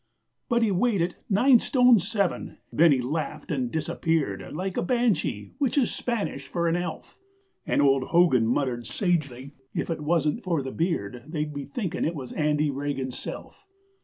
But he weighed it, nine stone seven, then he laughed and disappeared, Like a Banshee (which is Spanish for an elf), And old Hogan muttered sagely, 'If it wasn't for the beard They'd be thinking it was Andy Regan's self!'